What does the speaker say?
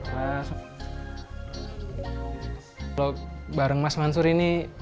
kalau bareng mas mansyur ini